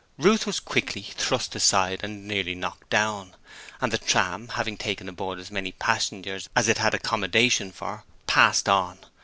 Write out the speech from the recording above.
Ruth was quickly thrust aside and nearly knocked down, and the tram, having taken aboard as many passengers as it had accommodation for, passed on.